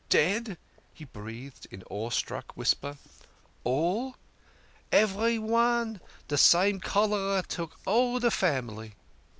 "D dead," he breathed in an awestruck whisper. "All?" " Everyone. De same cholera took all de family."